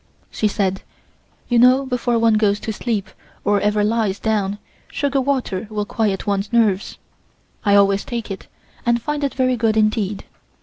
She said: "You know before one goes to sleep or ever lies down, sugar water will quiet one's nerves. I always take it, and find it very good indeed."